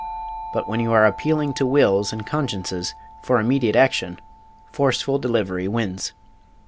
But when you are appealing to wills and consciences for immediate action, forceful delivery wins.